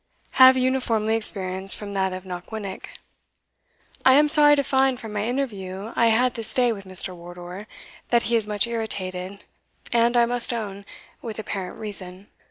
] have uniformly experienced from that of Knockwinnock. I am sorry to find, from an interview I had this day with Mr. Wardour, that he is much irritated, and, I must own, with apparent reason.